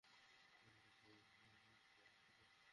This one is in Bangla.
তিনি বলেছিলেন, তুই যদি সমস্যা শুধরে ফেলিস, দেখবি বলের ধার আরও বাড়বে।